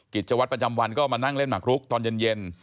กิจวัตรประจำวันก็มานั่งเล่นหมักรุกตอนเย็น